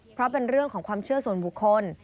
เพราะเป็นเรื่องของความเชื่อส่วนบุคคล